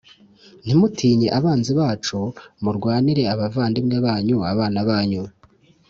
Ntimutinye abanzi bacu murwanire abavandimwe banyu abana banyu